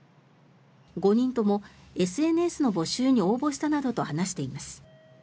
５人ともＳＮＳの募集に応募したなどと話しています。